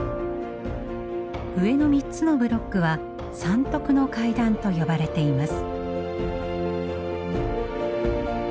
上の３つのブロックは三徳の階段と呼ばれています。